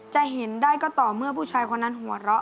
จะเห็นได้ก็ต่อเมื่อผู้ชายคนนั้นหัวเราะ